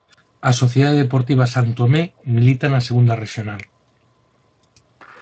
A Sociedade Deportiva Santomé milita na Segunda Rexional.